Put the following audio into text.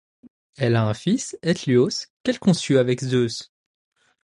Elle a un fils, Éthlios, qu'elle conçut avec Zeus.